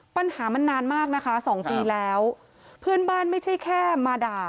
ปัญหามันนานมากนะคะสองปีแล้วเพื่อนบ้านไม่ใช่แค่มาด่า